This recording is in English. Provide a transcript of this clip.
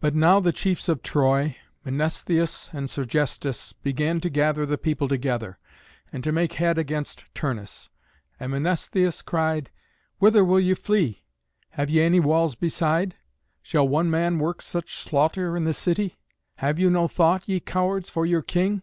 But now the chiefs of Troy, Mnestheus and Sergestus, began to gather the people together, and to make head against Turnus. And Mnestheus cried, "Whither will ye flee? Have ye any walls beside? Shall one man work such slaughter in the city? Have you no thought, ye cowards, for your king?"